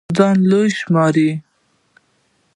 ځان لوے شمارل